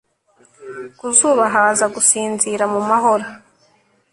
ku zuba haza gusinzira mu mahoro